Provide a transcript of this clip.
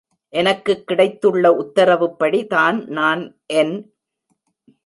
எனக்குக் கிடைத்துள்ள உத்தரவுப்படி தான் நான் என்.